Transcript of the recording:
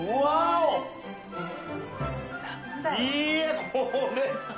いやこれ。